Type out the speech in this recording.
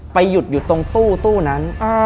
หยุดอยู่ตรงตู้นั้น